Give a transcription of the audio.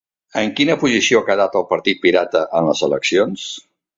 En quina posició ha quedat el Partit Pirata en les eleccions?